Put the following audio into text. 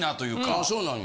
あそうなんや。